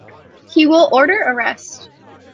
He will order arrests.